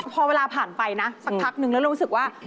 พอเวลาผ่านไปนะสักพักนึงแล้วเรารู้สึกว่า